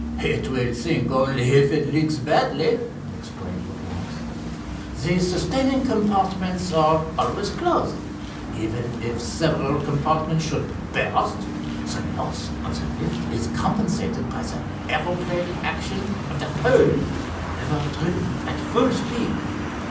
"It will sink only if it leaks badly," explained Leblance. "The sustaining compartments are always closed. Even if several compartments should burst, the loss of the lift is compensated by the aeroplane action of the hull whenever driven at full speed.